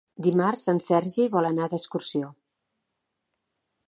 Dimarts en Sergi vol anar d'excursió.